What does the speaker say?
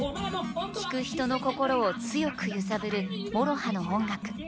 聴く人の心を強く揺さぶるＭＯＲＯＨＡの音楽。